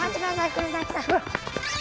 国崎さん。